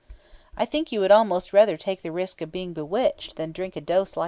I think you would almost rather take the risk of being bewitched than drink a dose like that!